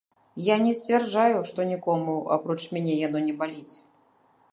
Я не сцвярджаю, што нікому, апроч мяне, яно не баліць.